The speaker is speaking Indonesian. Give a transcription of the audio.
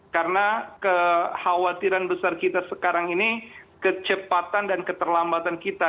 karena kekhawatiran besar kita sekarang ini kecepatan dan keterlambatan kita